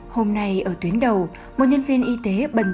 hôm nay ở tuyến đầu một nhân viên y tế đã đưa ra một bài hỏi